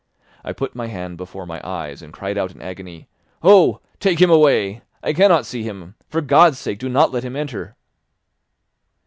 I put my hand before my eyes, and cried out in agony, "Oh! Take him away! I cannot see him; for God's sake, do not let him enter!"